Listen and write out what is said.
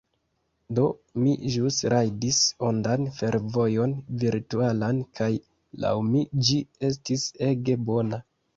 Do, ni ĵus rajdis ondan fervojon virtualan kaj, laŭ mi, ĝi estis ege bona